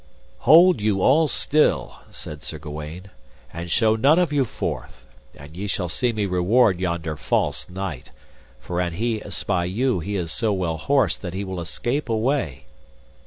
Hold you all still, said Sir Gawaine, and show none of you forth, and ye shall see me reward yonder false knight; for an he espy you he is so well horsed that he will escape away.